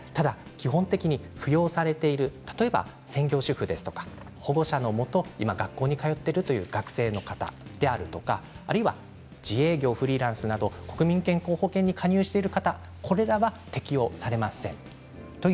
基本的に扶養されている例えば専業主婦の方や保護者のもと、今、学校に通っている学生の方であるとか自営業、フリーランスなど国民健康保険に加入されている方は適用されません。